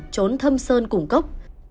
trốn thâm sơn củng cốc